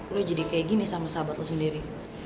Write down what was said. lo jadi kayak gini sama sahabat lo sendiri